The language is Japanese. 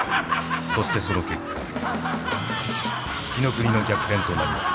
そしてその結果月ノ国の逆転となります。